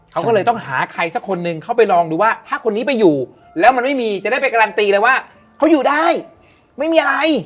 เขาก็เลยต้องหาใครสักคนหนึ่งเข้าไปลองดูว่าถ้าคนนี้ไปอยู่แล้วมันไม่มีจะได้ไปการันตีเลยว่าเขาอยู่ได้ไม่มีอะไร